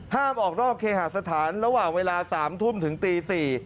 ห้ามออกนอกเคหาสถานระหว่างเวลา๓ทุ่มถึงตี๔